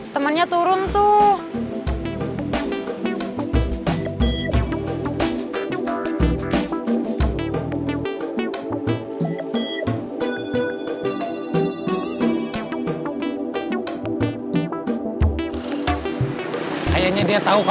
tidak saya berdua misalnya